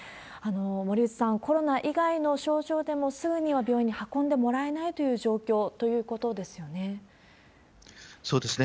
森内さん、コロナ以外の症状でも、すぐには病院に運んでもらえないという状況ということですよね。